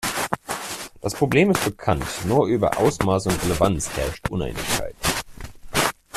Das Problem ist bekannt, nur über Ausmaß und Relevanz herrscht Uneinigkeit.